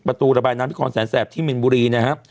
ประตูระบายน้ำที่คอนแสนแสบที่มินบุรีนะครับ